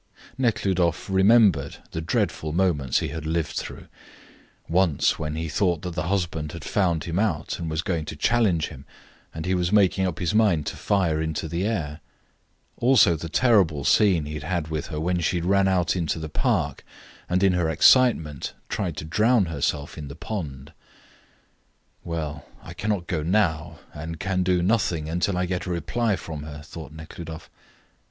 Nekhludoff remembered the dreadful moments he had lived through; once when he thought that the husband had found him out and was going to challenge him, and he was making up his mind to fire into the air; also the terrible scene he had with her when she ran out into the park, and in her excitement tried to drown herself in the pond. "Well, I cannot go now, and can do nothing until I get a reply from her," thought Nekhludoff.